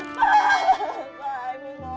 pak aku mohon